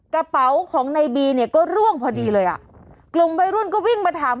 กระเป๋าของในบีเนี่ยก็ร่วงพอดีเลยอ่ะกลุ่มวัยรุ่นก็วิ่งมาถาม